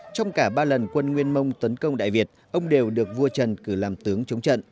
trong cả ba lần quân nguyên mông tấn công đại việt ông đều được vua trần cử làm tướng chống trận